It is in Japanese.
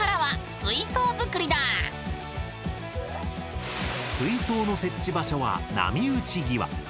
水槽の設置場所は波打ち際。